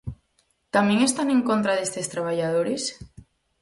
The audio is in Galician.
¿Tamén están en contra destes traballadores?